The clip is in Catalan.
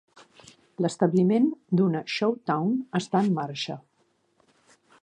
L'establiment d'una "Shou Town" està en marxa.